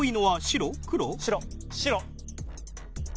白。